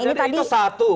jadi itu satu